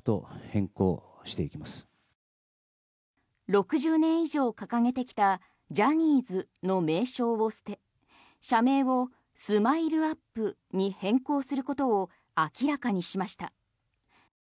６０年以上掲げてきたジャニーズの名称を捨て、社名をＳＭＩＬＥ−ＵＰ．に変更することを明らかにしました。